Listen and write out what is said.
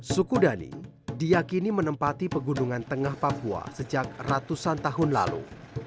suku dani diakini menempati pegunungan tengah papua sejak ratusan tahun lalu